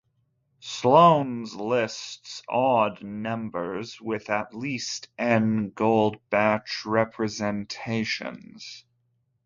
Sloane's lists odd numbers with at least "n" Goldbach representations.